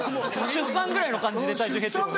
出産ぐらいの感じで体重減って。